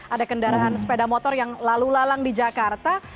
ada kendaraan sepeda motor yang lalu lalang di jakarta